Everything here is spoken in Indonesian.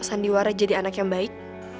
sandiwara jadi anak yang baik